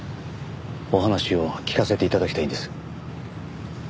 お話を聞かせて頂きたいんです。